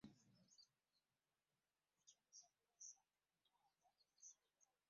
Emmotoka wano twagalawo ntonotono.